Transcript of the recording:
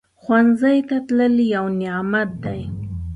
ښوونځی ته تلل یو نعمت دی